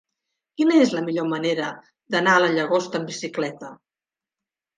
Quina és la millor manera d'anar a la Llagosta amb bicicleta?